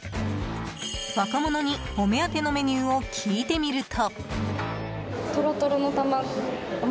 若者にお目当てのメニューを聞いてみると。